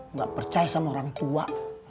nggak percaya sama orang tua